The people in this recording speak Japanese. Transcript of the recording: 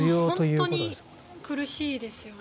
本当に苦しいですよね。